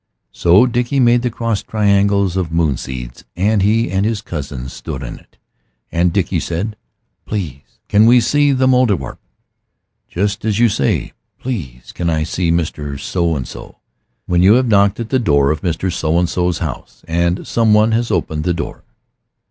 So Dickie made the crossed triangles of moon seeds and he and his cousins stood in it and Dickie said, "Please can we see the Mouldierwarp?" just as you say, "Please can I see Mr. So and so?" when you have knocked at the door of Mr. So and so's house and some one has opened the door.